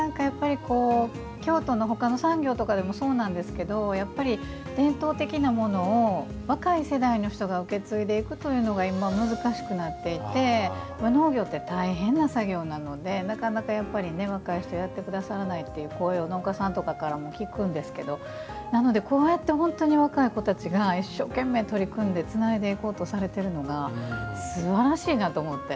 京都のほかの産業とかでもそうなんですけど伝統的なものを若い世代の人が受け継いでいくというのが今、難しくなっていて農業って大変な作業なので、なかなか若い人やってくださらないという声を農家さんとかからも聞くんですけど、なのでこうやって本当に若い子たちが一生懸命取り組んでつないでいこうとされているのがすばらしいなと思って。